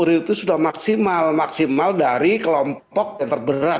jadi tentu publik terutama korban seringkali dalam semua perkara itu merasa memang harusnya maksimal